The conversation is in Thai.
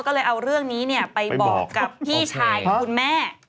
ก็เลยเอาเรื่องนี้ไปบอกกับพี่ชายของคุณแม่